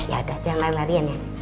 jangan lari larian ya